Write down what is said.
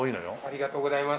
ありがとうございます。